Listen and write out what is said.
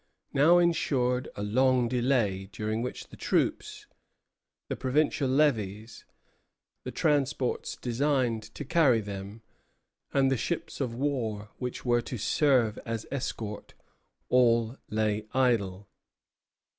Now ensued a long delay, during which the troops, the provincial levies, the transports destined to carry them, and the ships of war which were to serve as escort, all lay idle.